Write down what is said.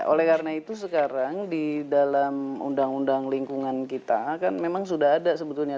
oleh karena itu sekarang di dalam undang undang lingkungan kita kan memang sudah ada sebetulnya